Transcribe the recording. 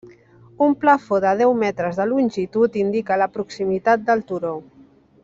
Un plafó de deu metres de longitud indica la proximitat del turó.